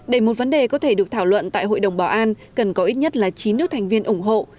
đầy một vấn đề có thể được thảo luận tại hội đồng bảo an cần có ít nhất là chín nước thành viên ủng hộ